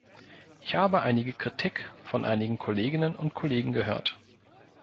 Ich habe einige Kritik von einigen Kolleginnen und Kollegen gehört.